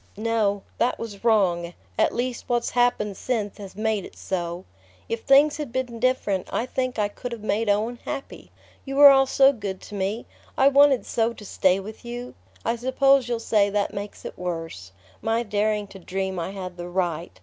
"No; that was wrong. At least what's happened since has made it so. If things had been different I think I could have made Owen happy. You were all so good to me I wanted so to stay with you! I suppose you'll say that makes it worse: my daring to dream I had the right...